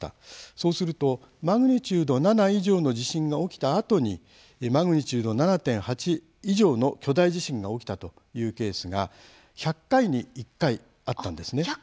そうするとマグニチュード７以上の地震が起きたあとにマグニチュード７．８以上の巨大地震が起きたというケースが１００回に１回あったんです。